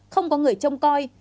không có người trông coi